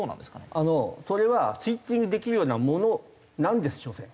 あのそれはスイッチングできるようなものなんですしょせん。